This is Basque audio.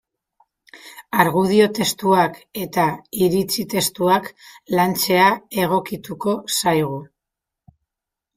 Argudio testuak eta iritzi testuak lantzea egokituko zaigu.